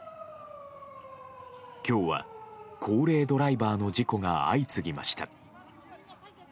今日は高齢ドライバーの事故が相次ぎました。